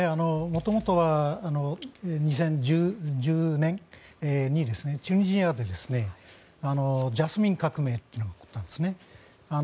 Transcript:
もともとは２０１４年にチュニジアでジャスミン革命というのがあったんです。